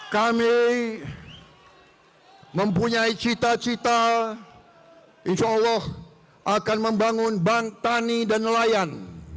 kami mempunyai cita cita insya allah akan membangun bank tani dan nelayan